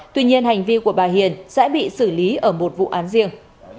tuy nhiên hành vi của bà hiền sẽ bị xử lý ở một vụ án riêng